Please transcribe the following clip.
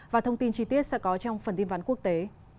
và thông tin chi tiết sẽ có trong phần tin ván quốc tế